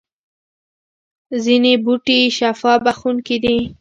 ځینې بوټي شفا بخښونکي دي